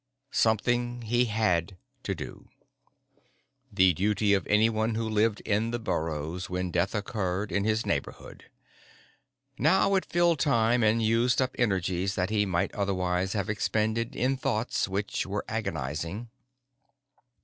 Something he had to do. The duty of anyone who lived in the burrows when death occurred in his neighborhood. Now it filled time and used up energies that he might otherwise have expended in thoughts which were agonizing.